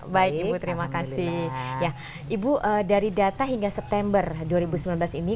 baik ibu terima kasih ya ibu dari data hingga september dua ribu sembilan belas ini